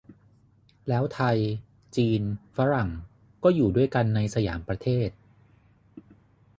แล้วไทย จีน ฝรั่ง ก็อยู่ด้วยกันในสยามประเทศ